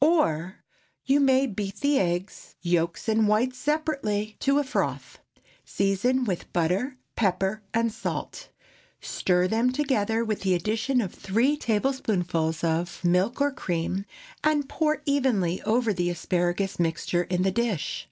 Or, ✠ You may beat the eggs—yolks and whites separately—to a froth; season with butter, pepper, and salt; stir them together, with the addition of three tablespoonfuls of milk or cream, and pour evenly over the asparagus mixture in the dish.